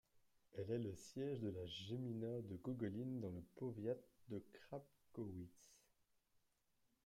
Elle est le siège de la gmina de Gogolin, dans le powiat de Krapkowice.